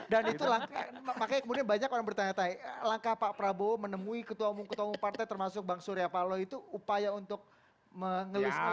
dan itu makanya kemudian banyak orang bertanya tay langkah pak prabowo menemui ketua umum ketua umum partai termasuk bank surya paloh itu upaya untuk mengelis keusuhan